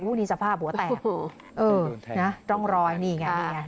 อู้วนี่สภาพหัวแตกเออนะต้องลอยนี่ไงนี่ไง